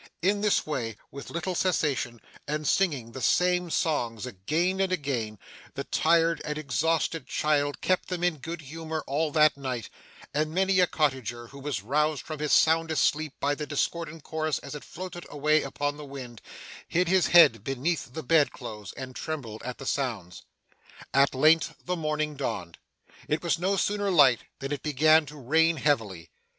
In this way, with little cessation, and singing the same songs again and again, the tired and exhausted child kept them in good humour all that night; and many a cottager, who was roused from his soundest sleep by the discordant chorus as it floated away upon the wind, hid his head beneath the bed clothes and trembled at the sounds. At length the morning dawned. It was no sooner light than it began to rain heavily.